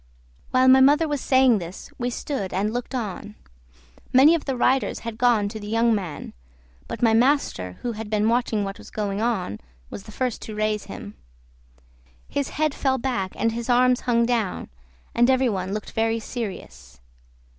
While my mother was saying this we stood and looked on. Many of the riders had gone to the young man; but my master, who had been watching what was going on, was the first to raise him. His head fell back and his arms hung down, and every one looked very serious.